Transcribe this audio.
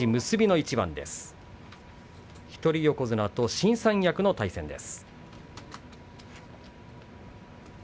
一人横綱と新三役の対戦です。